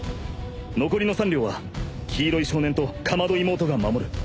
残りの３両は黄色い少年と竈門妹が守る。